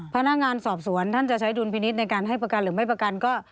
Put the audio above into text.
พนักงานสอบสวนท่านจะใช้ดุลพินิษฐ์ในการให้ประกันหรือไม่ประกันก็